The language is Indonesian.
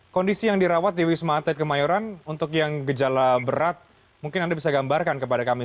kondisi yang dirawat di wisma atlet kemayoran untuk yang gejala berat mungkin anda bisa gambarkan kepada kami